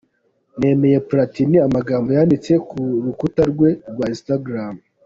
Nemeye Platini amagambo yanditse ku rukuta rwe rwa Instagram.